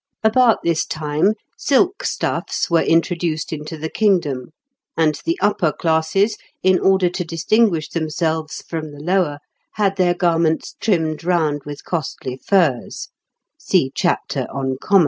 About this time, silk stuffs were introduced into the kingdom, and the upper classes, in order to distinguish themselves from the lower, had their garments trimmed round with costly furs (see chapter on Commerce).